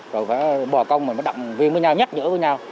rồi bò công mình mới đặng viên với nhau nhắc nhở với nhau